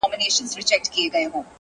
تا څه کوئ اختر د بې اخترو په وطن کي!